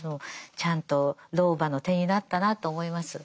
ちゃんと老婆の手になったなと思います。